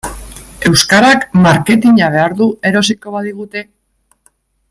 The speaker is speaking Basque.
Euskarak marketina behar du erosiko badigute.